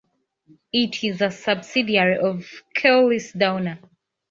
It is a subsidiary of Keolis Downer.